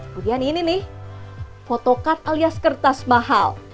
kemudian ini nih foto card alias kertas mahal